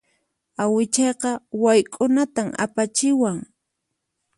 Awichayqa wayk'unatan apachiwan.